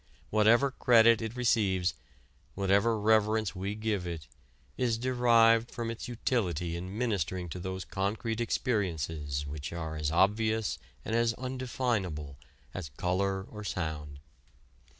Whatever credit it receives, whatever reverence we give it, is derived from its utility in ministering to those concrete experiences which are as obvious and as undefinable as color or sound.